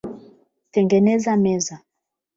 Tengeneza meza.